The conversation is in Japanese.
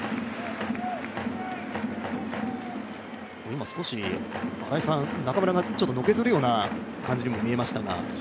今少し、中村がのけぞるような感じにも見えましたが。